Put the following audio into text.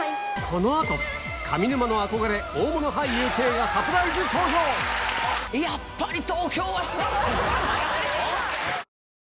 この後上沼の憧れ大物俳優Ｋがサプライズ登場やっぱり。